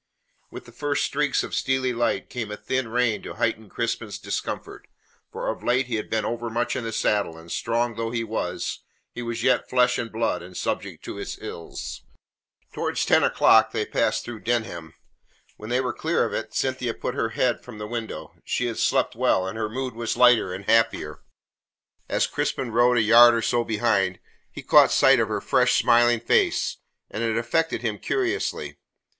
With the first streaks of steely light came a thin rain to heighten Crispin's discomfort, for of late he had been overmuch in the saddle, and strong though he was, he was yet flesh and blood, and subject to its ills. Towards ten o'clock they passed through Denham. When they were clear of it Cynthia put her head from the window. She had slept well, and her mood was lighter and happier. As Crispin rode a yard or so behind, he caught sight of her fresh, smiling face, and it affected him curiously.